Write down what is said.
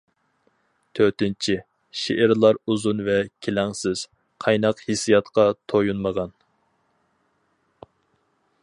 تۆتىنچى، شېئىرلار ئۇزۇن ۋە كېلەڭسىز، قايناق ھېسسىياتقا تويۇنمىغان.